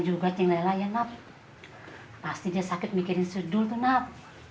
juga cilela ya naf pasti dia sakit mikirin sedul tuh naf